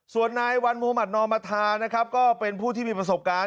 ส่วนนายวันมุมัตินอมธานะครับก็เป็นผู้ที่มีประสบการณ์